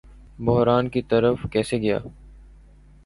بحران کی طرف کیسے گیا